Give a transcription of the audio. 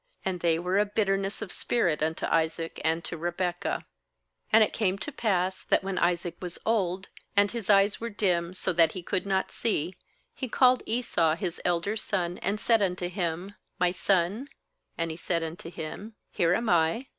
35And they were a bitterness of spirit unto Isaac and to Rebekah. 07 And it came to pass, that when ^' Isaac was old, and his eyes were dim, so that he could not see, he called Esau his elder son, and said unto him: 'My son'; and he said unto him: 'Here am I.'